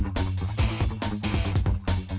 tidak ada yang bisa dikunci